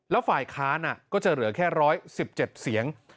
แล้วฝ่ายค้านก็จะเหลือแค่๑๑๗เสียง